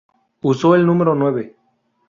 Usó el número nueve.